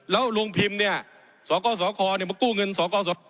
แล้วโรงพิมพ์เนี่ยสกสคมากู้เงินสก